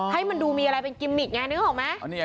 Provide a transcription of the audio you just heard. ให้มันดูมีอะไรเป็นกิมมิกไงนึกออกไหม